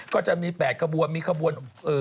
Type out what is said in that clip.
ก็จะมี๘กระบวนมีกระบวน